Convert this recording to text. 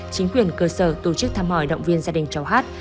chính quyền cơ sở tổ chức thăm hỏi động viên gia đình cháu hát